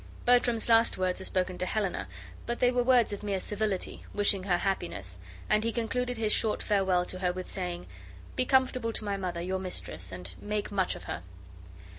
Bertram's last words were spoken to Helena, but they were words of mere civility, wishing her happiness; and he concluded his short farewell to her with saying: "Be comfortable to my mother, your mistress, and make much of her."